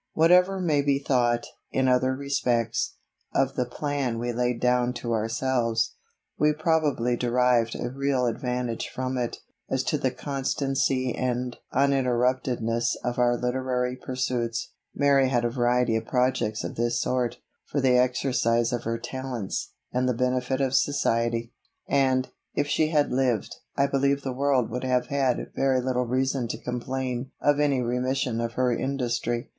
Whatever may be thought, in other respects, of the plan we laid down to ourselves, we probably derived a real advantage from it, as to the constancy and uninterruptedness of our literary pursuits. Mary had a variety of projects of this sort, for the exercise of her talents, and the benefit of society; and, if she had lived, I believe the world would have had very little reason to complain of any remission of her industry.